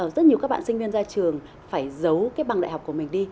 rất nhiều các bạn sinh viên ra trường phải giấu cái bằng đại học của mình đi